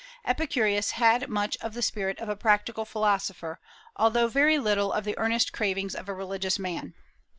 Epicurus had much of the spirit of a practical philosopher, although very little of the earnest cravings of a religious man.